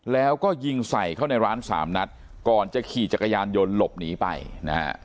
แล้วก็ยิงใส่เข้าในร้านสามนัดก่อนจะขี่จักรยานยนต์หลบหนีไปนะฮะ